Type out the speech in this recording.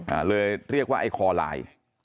อ่าเลยเรียกว่าไอ้คอลาย